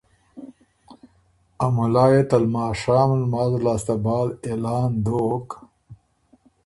ا مُلا يې ته لماشام لماز لاسته بعد اعلان دوک